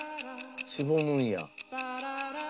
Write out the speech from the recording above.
しぼむんや。